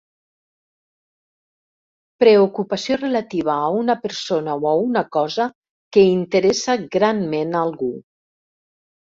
Preocupació relativa a una persona o a una cosa que interessa granment algú.